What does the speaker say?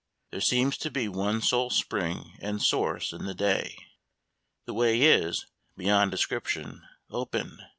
There seems to be one sole spring and source in the day. The way is, beyond description, open.